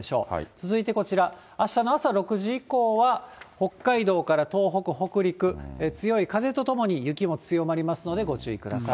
続いてこちら、あしたの朝６時以降は、北海道から東北、北陸、強い風とともに雪も強まりますので、ご注意ください。